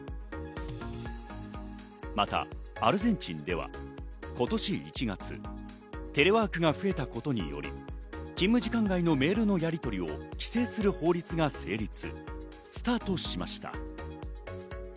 またアルゼンチンでは今年１月、テレワークが増えたことにより、勤務時間外のメールのやりとりを規制する法律が成立、スタートしました。